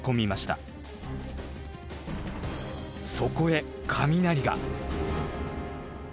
そこへ雷が。